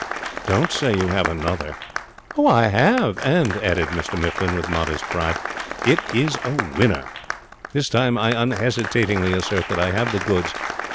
'Don't say you have another.' 'I have. And,' added Mr Mifflin, with modest pride, 'it is a winner. This time I unhesitatingly assert that I have the goods.